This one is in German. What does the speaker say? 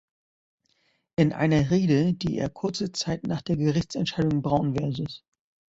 In einer Rede, die er kurze Zeit nach der Gerichtsentscheidung "Brown vs.